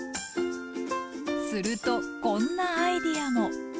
するとこんなアイデアも。